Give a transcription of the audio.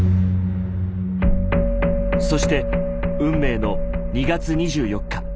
そして運命の２月２４日。